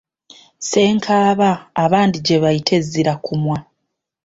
Ssenkaaba abandi gye bayita e Zzirakumwa.